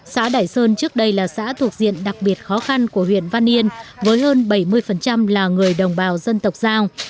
xã đại sơn trước đây là xã thuộc diện đặc biệt khó khăn của huyện văn yên với hơn bảy mươi là người đồng bào dân tộc giao